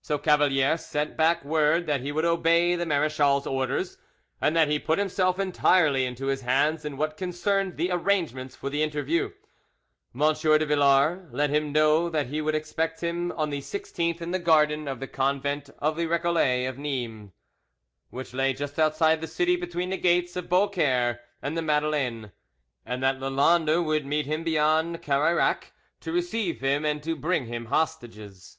So Cavalier sent back word that he would obey the marechal's orders; and that he put himself entirely into his hands in what concerned the arrangements for the interview. M. de Villars let him know that he would expect him on the 16th in the garden of the convent of the Recollets of Nimes, which lay just outside the city, between the gates of Beaucaire and the Madeleine, and that Lalande would meet him beyond Carayrac to receive him and to bring him hostages.